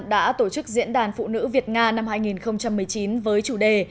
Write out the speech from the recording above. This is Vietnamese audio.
đã tổ chức diễn đàn phụ nữ việt nga năm hai nghìn một mươi chín với chủ đề